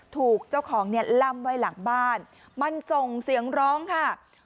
ถูกเจ้าของเนี่ยล่ำไว้หลังบ้านมันส่งเสียงร้องค่ะ